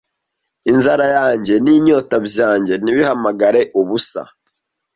inzara yanjye n'inyota byanjye ntibihamagare ubusa